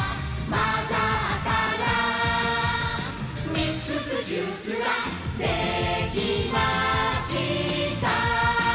「ミックスジュースができました」